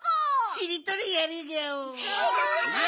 しりとりやるギャオ。